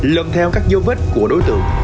lần theo các dấu vết của đối tượng